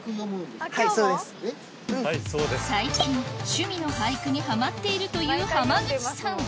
最近趣味の俳句にハマっているという浜口さん